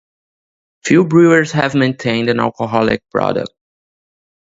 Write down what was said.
Few brewers have maintained an alcoholic product.